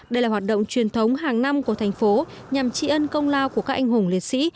đây là hoạt động truyền thống hàng năm của thành phố nhằm trị ân công lao của các anh hùng liệt sĩ